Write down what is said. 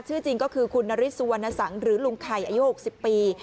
ชื่อจริงก็คือคุณนฤทธิสุวรรณสังหรือลุงไข่อายุ๖๐ปี